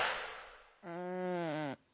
うん。